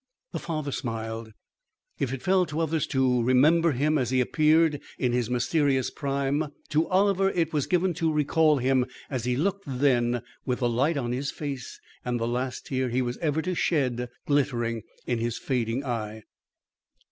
The father smiled. If it fell to others to remember him as he appeared in his mysterious prime, to Oliver it was given to recall him as he looked then with the light on his face and the last tear he was ever to shed glittering in his fading eye.